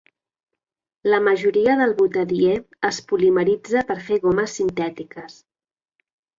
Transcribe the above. La majoria del butadiè es polimeritza per fer gomes sintètiques.